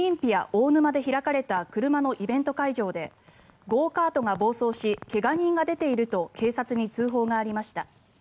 大沼で開かれた車のイベント会場でゴーカートが暴走し怪我人が出ていると警察に通報がありました。